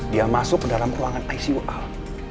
dia masuk ke dalam ruangan icu al